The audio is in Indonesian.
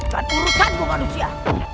ikut urusanmu manusia